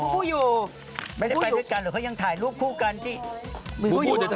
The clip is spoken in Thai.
คุณลุงกับคุณดไกด์